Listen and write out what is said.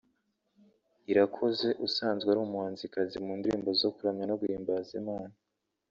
Irakoze usanzwe ari umuhanzikazi mu ndirimbo zo kuramya no guhimbaza Imana